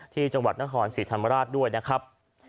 ที่จังหวัดนครศรีธรรมราชด้วยนะครับ